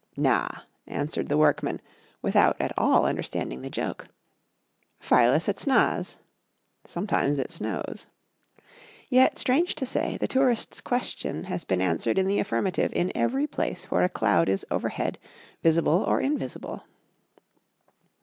"Na!" answered the workman, without at all understanding the joke; "feiles it snaas" (sometimes it snows). Yet, strange to say, the tourist's question has been answered in the affirmative in every place where a cloud is overhead, visible or invisible.